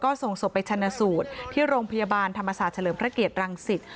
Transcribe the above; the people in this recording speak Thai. ส่งศพไปชนะสูตรที่โรงพยาบาลธรรมศาสตร์เฉลิมพระเกียรติรังสิต